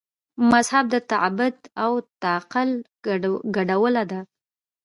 مذهب د تعبد او تعقل ګډوله ده.